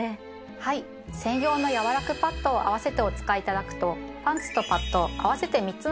はい専用の「やわ楽パッド」を併せてお使いいただくとパンツとパッド合わせて。